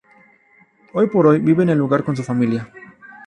Hoy por hoy vive en el lugar con su familia.